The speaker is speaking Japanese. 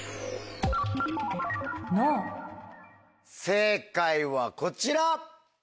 正解はこちら。